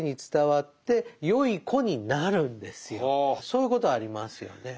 そういうことありますよね。